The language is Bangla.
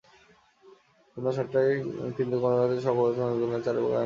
সন্ধ্যা সাতটায় কেন্দ্রীয় গণগ্রন্থাগারের শওকত ওসমান মিলনায়তনে চারুবাক আয়োজন করেছে আবৃত্তি অনুষ্ঠানের।